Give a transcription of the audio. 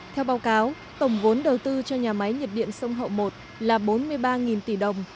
theo báo cáo tổng vốn đầu tư cho nhà máy nhiệt điện sông hậu một là bốn mươi ba tỷ đồng